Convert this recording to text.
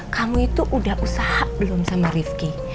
kamu itu udah usaha belum sama rifki